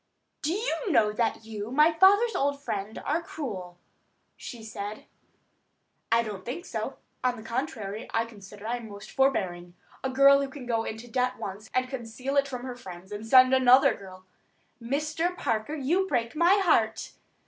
"Do you know that you, my father's old friend, are cruel," she said. "I don't think so. On the contrary, I consider that I am most forbearing. A girl who can go into debt once, and conceal it from her friends, and send another girl——" "Mr. Parker, you break my heart."